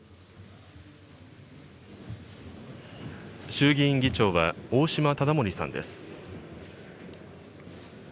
衆議院議長は、大島理森さんです。